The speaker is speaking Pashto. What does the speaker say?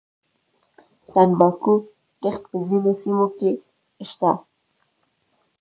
د تنباکو کښت په ځینو سیمو کې شته